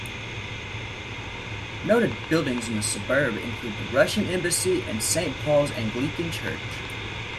Noted buildings in the suburb include the Russian Embassy and Saint Paul's Anglican Church.